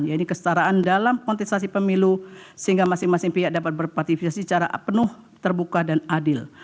yaitu kestaraan dalam kontestasi pemilu sehingga masing masing pihak dapat berpartisipasi secara penuh terbuka dan adil